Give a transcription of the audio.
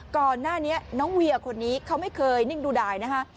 ก่อนหน้านี้น้องเวียคนนี้เขาไม่เคยนิ่งดูดายนะคะ